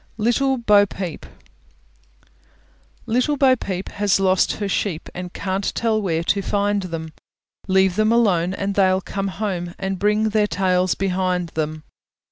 LITTLE BO PEEP Little Bo Peep has lost her sheep, And can't tell where to find them; Leave them alone, and they'll come home, And bring their tails behind them.